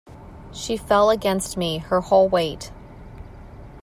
She fell against me — her whole weight.